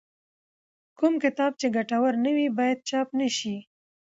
کوم کتاب چې ګټور نه وي باید چاپ نه شي.